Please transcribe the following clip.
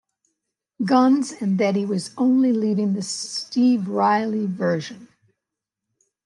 Guns and that he was only leaving the Steve Riley version.